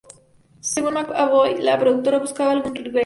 Según McAvoy, la productora buscaba algún geek.